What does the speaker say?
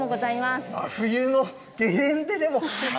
冬のゲレンデでも？